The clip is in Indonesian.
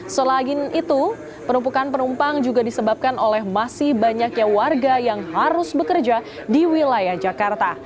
selagin itu penumpukan penumpang juga disebabkan oleh masih banyaknya warga yang harus bekerja di wilayah jakarta